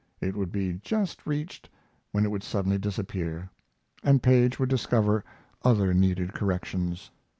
It would be just reached, when it would suddenly disappear, and Paige would discover other needed corrections.